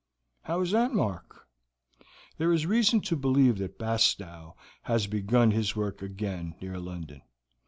"How is that, Mark?" "There is reason to believe that Bastow has begun his work again near London.